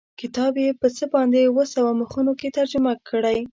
کتاب یې په څه باندې اووه سوه مخونو کې ترجمه کړی.